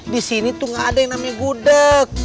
di sini tuh nggak ada yang namanya budeg